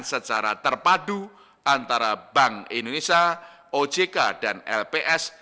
secara terpadu antara bank indonesia ojk dan lps